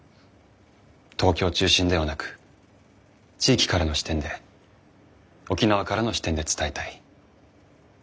東京中心ではなく地域からの視点で沖縄からの視点で伝えたい。